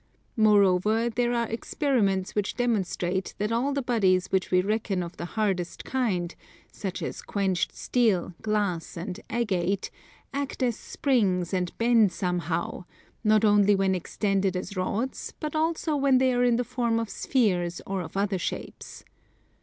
Moreover there are experiments which demonstrate that all the bodies which we reckon of the hardest kind, such as quenched steel, glass, and agate, act as springs and bend somehow, not only when extended as rods but also when they are in the form of spheres or of other shapes.